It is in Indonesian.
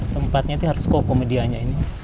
tempatnya harus koko medianya ini